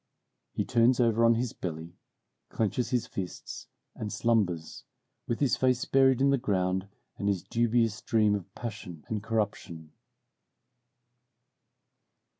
He turns over on his belly, clenches his fists, and slumbers, with his face buried in the ground and his dubious dream of passion and corruption.